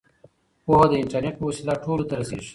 پوهه د انټرنیټ په وسیله ټولو ته رسیږي.